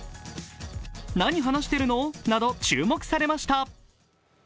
何話してるの？など注目されました。